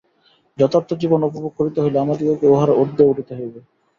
যথার্থ জীবন উপভোগ করিতে হইলে আমাদিগকে ইহার ঊর্ধ্বে উঠিতে হইবে।